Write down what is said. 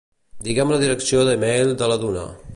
Digue'm la direcció d'e-mail de la Duna.